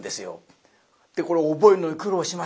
でこれ覚えるのに苦労しましてね。